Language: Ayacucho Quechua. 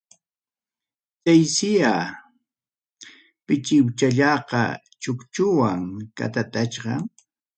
Chaysiya pichiwchallaqa, chukchuwan katatatachkan.